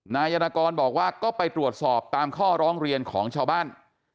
นายนกรบอกว่าก็ไปตรวจสอบตามข้อร้องเรียนของชาวบ้าน